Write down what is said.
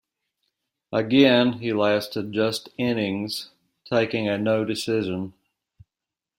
Again he lasted just innings, taking a no-decision.